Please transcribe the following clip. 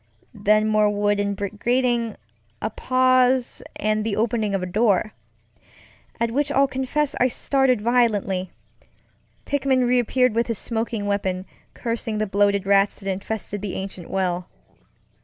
Then more wood and brick grating, a pause, and the opening of the doorŌĆöat which I'll confess I started violently. Pickman reappeared with his smoking weapon, cursing the bloated rats that infested the ancient well.